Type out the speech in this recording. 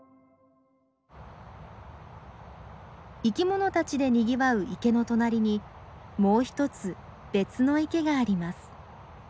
生きものたちでにぎわう池の隣にもう１つ別の池があります。